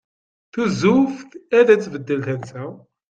Tuzzuft ad tbeddel tansa.